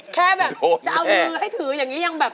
แค่แบบจะเอามือให้ถืออย่างนี้ยังแบบ